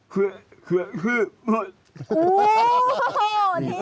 เหลือชื่อหมด